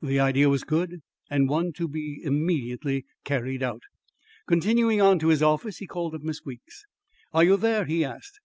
The idea was good, and one to be immediately carried out. Continuing on to his office, he called up Miss Weeks. "Are you there?" he asked.